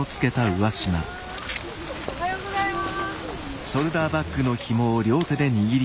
おはようございます。